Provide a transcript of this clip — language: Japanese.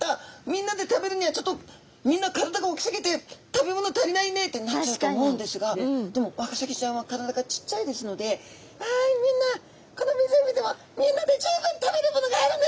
みんなで食べるにはちょっとみんな体が大きすぎて食べ物足りないね」ってなっちゃうと思うんですがでもワカサギちゃんは体がちっちゃいですので「わいみんなこの湖でもみんなで十分食べるものがあるね」